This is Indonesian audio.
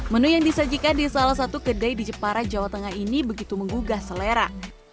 menu yang disajikan di salah satu kedai di jepara jawa tengah ini begitu menggugah selera